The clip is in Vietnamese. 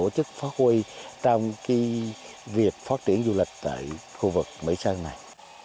rất phát huy trong cái việc phát triển du lịch tại khu vực mỹ sơn này